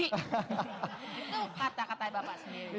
itu kata kata bapak sendiri